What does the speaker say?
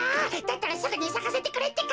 だったらすぐにさかせてくれってか。